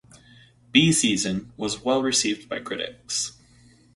"Bee Season" was well received by critics.